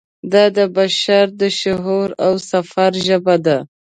دا د بشر د شعور او سفر ژبه ده.